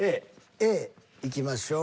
Ａいきましょう。